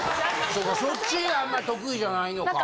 そうかそっちはあんまり得意じゃないのか。